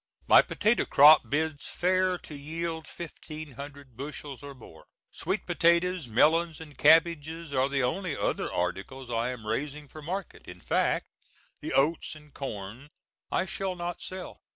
My potato crop bids fair to yield fifteen hundred bushels or more. Sweet potatoes, melons and cabbages are the only other articles I am raising for market. In fact, the oats and corn I shall not sell.